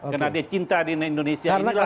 karena dia cinta dengan indonesia